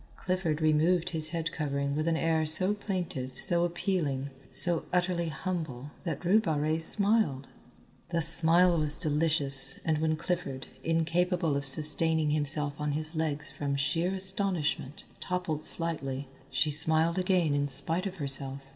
Clifford removed his head covering with an air so plaintive, so appealing, so utterly humble that Rue Barrée smiled. The smile was delicious and when Clifford, incapable of sustaining himself on his legs from sheer astonishment, toppled slightly, she smiled again in spite of herself.